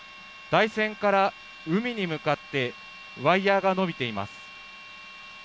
台船から海に向かってワイヤーが伸びています。